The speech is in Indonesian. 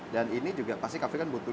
dan ini juga pasti cafe kan butuh